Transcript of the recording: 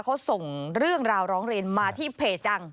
เขาส่งเรื่องราวร้องเรียนมาที่เพจดัง